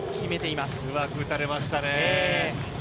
うまく打たれましたね。